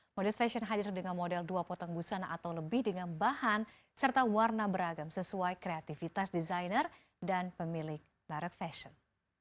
modest fashion hadir dengan model dua potong busana atau lebih dengan bahan serta warna beragam sesuai kreativitas desainer dan pemilik merek fashion